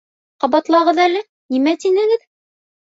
Ҡабатлағыҙ әле, нимә тинегеҙ?